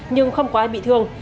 nhưng không có ai bị thương